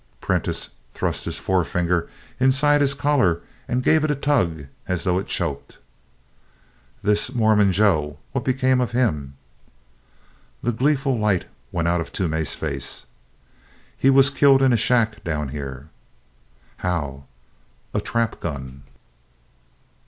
Prentiss thrust a forefinger inside his collar and gave it a tug as though it choked. "This Mormon Joe what became of him?" The gleeful light went out of Toomey's face. "He was killed in a shack down here." "How?" "A trap gun."